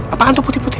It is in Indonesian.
apa hantu putih putih